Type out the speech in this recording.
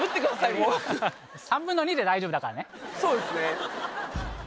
もうそうですね